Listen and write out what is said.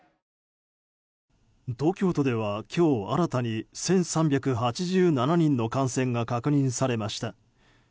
東京都では今日新たに１３８７人の感染が確認されました。